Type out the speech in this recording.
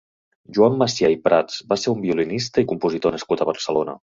Joan Massià i Prats va ser un violinista i compositor nascut a Barcelona.